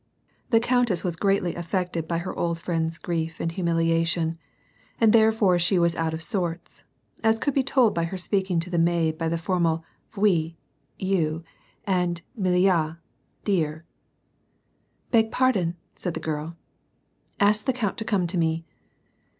The countess was greatly affected by her old friend's gprief and humiliation, and therefore she was out of sorts, as could be told by her sjieaking to the maid by the formal vtii, " you," and milii/a, " dear." " Beg pardon," said the girl. "Ask the count to come to me."